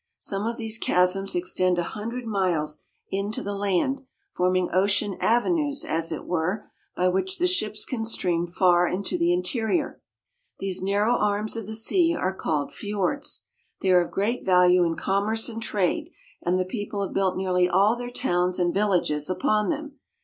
Some of these chasms extend a hundred miles into the land, forming ocean ave nues, as it were, by which the ships can steam far into the interior. These narrow arms of the sea are called fiords (fyords). They are of great value in commerce and trade, WHERE THE SUN SHINES AT MIDNIGHT. 16$ and the people have built nearly all their towns and vil lages upon them.